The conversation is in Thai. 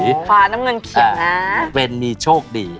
สมมุติว่าเขาบอกว่าใส่สีแดนจะดี